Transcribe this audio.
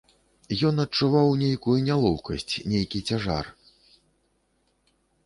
Ён адчуваў нейкую нялоўкасць, нейкі цяжар.